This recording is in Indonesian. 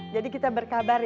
jadi kita berkabar ya